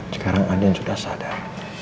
sekarang andien sudah sadar